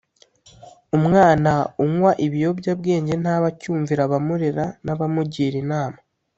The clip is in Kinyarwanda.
umwana unywa ibiyobyabwenge ntaba acyumvira abamurera n’abamugira inama.